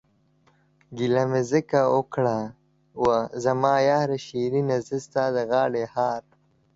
گيله مې ځکه اوکړه وا زما ياره شيرينه، زه ستا د غاړې هار...